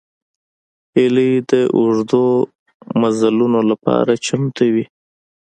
هیلۍ د اوږدو مزلونو لپاره چمتو وي